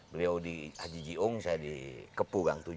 beliau di haji jiung saya di kepu gang tujuh